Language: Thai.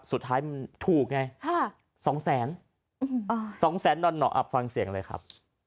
สุดท้ายถูกไงสองแสนสองแสนด่อนหนออับฟังเสียงเลยครับ